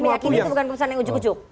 meyakini itu bukan keputusan yang ujuk ujuk